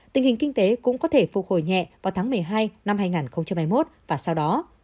tình hình kinh tế cũng có thể phục hồi nhẹ vào tháng một mươi hai năm hai nghìn hai mươi một và sau đó